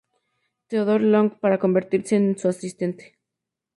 Theodore Long, para convertirse en su asistente.